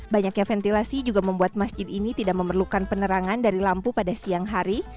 banyaknya ventilasi juga membuat masjid ini tidak memerlukan penerangan dari lampu pada siang hari